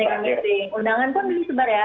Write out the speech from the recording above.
undangan pun disebar ya